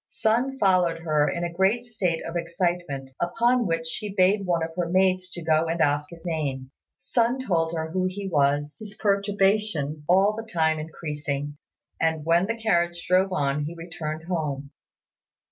Sun followed her in a great state of excitement, upon which she bade one of her maids to go and ask his name. Sun told her who he was, his perturbation all the time increasing; and when the carriage drove on he returned home.